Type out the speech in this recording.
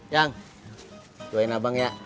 yang doain abang ya